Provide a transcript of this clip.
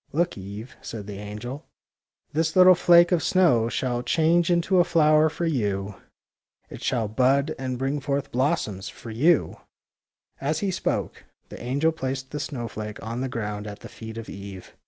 '' Look, Eve," said the angel. " This little flake of snow shall change into a flower for you. It shall bud and bring forth blossoms for you! " As he spoke, the angel placed the snow flake on the ground at the feet of Eve.